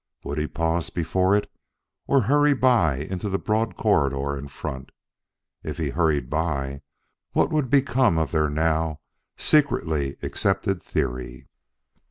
Would he pause before it or hurry by into the broad corridor in front? If he hurried by, what would become of their now secretly accepted theory?